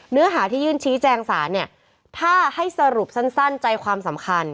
เนื้อหาที่ยื่นชี้แจงสารเนี่ยถ้าให้สรุปสั้นใจความสำคัญ